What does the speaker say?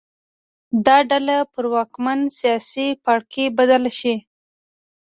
دا ډله پر واکمن سیاسي پاړکي بدله شي